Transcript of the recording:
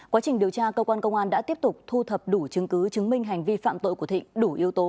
quá trình điều tra cơ quan công an đã tiếp tục thu thập đủ chứng cứ chứng minh hành vi phạm tội của thịnh đủ yếu tố